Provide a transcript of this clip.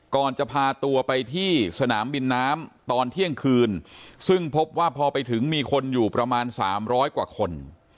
ก่อนจะพาตัวไปที่สนามบินน้ำตอนเที่ยงคืนซึ่งพบว่าพอไปถึงมีคนอยู่ประมาณ๓๐๐กว่าคน